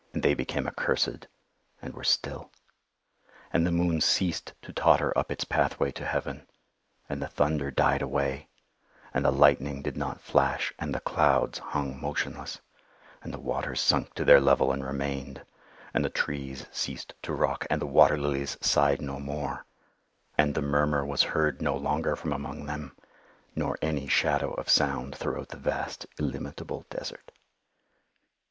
And they became accursed, and were still. And the moon ceased to totter up its pathway to heaven—and the thunder died away—and the lightning did not flash—and the clouds hung motionless—and the waters sunk to their level and remained—and the trees ceased to rock—and the water lilies sighed no more—and the murmur was heard no longer from among them, nor any shadow of sound throughout the vast illimitable desert.